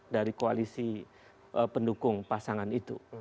dari koalisi pendukung pasangan itu